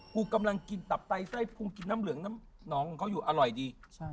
กูกำลังกินตับไตไส้พุงกินน้ำเหลืองน้ำหนองของเขาอยู่อร่อยดี